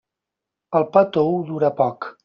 El pa tou dura poc.